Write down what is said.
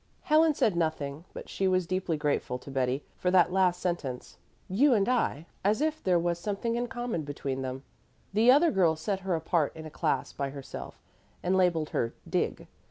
Helen said nothing, but she was deeply grateful to Betty for that last sentence. "You and I" as if there was something in common between them. The other girls set her apart in a class by herself and labeled her "dig."